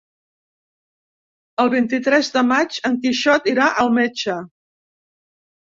El vint-i-tres de maig en Quixot irà al metge.